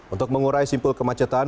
untuk mengurai simpul kemacetan